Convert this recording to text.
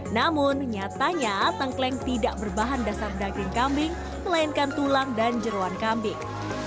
namun nyatanya tengkleng tidak berbahan dasar daging kambing melainkan tulang dan jeruan kambing